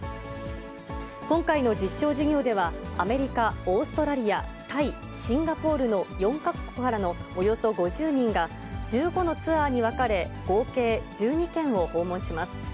今回の実証事業では、アメリカ、オーストラリア、タイ、シンガポールの４か国からのおよそ５０人が、１５のツアーに分かれ、合計１２県を訪問します。